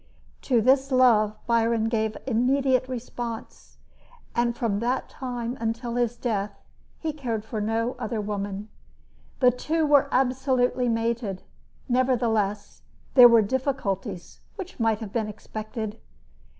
To this love Byron gave an immediate response, and from that time until his death he cared for no other woman. The two were absolutely mated. Nevertheless, there were difficulties which might have been expected.